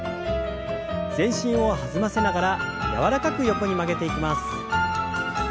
全身を弾ませながら柔らかく横に曲げていきます。